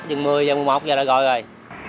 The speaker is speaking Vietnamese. chừng một mươi giờ một mươi một giờ là gọi rồi